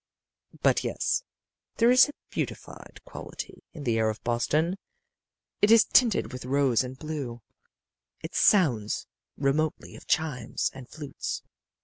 "But yes. There is a beatified quality in the air of Boston. It is tinted with rose and blue. It sounds, remotely, of chimes and flutes.